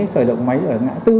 khởi động máy ở ngã tư